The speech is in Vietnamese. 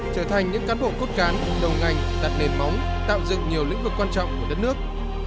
trở thành những cán bộ cốt cán đầu ngành đặt nền móng tạo dựng nhiều lĩnh vực quan trọng của đất nước